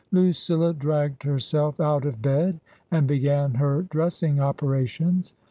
Lucilla dragged herself out of bed and began her dress ing operations.